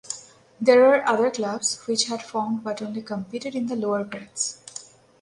There were other clubs which had formed but only competed in the lower grades.